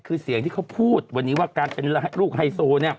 คือเสียงที่พูดวันนี้นี่ว่าการเป็นลูกไฮโซ